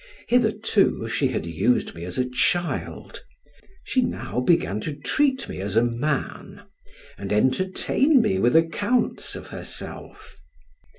Hitherto she had used me as a child, she now began to treat me as a man, and entertain me with accounts of herself.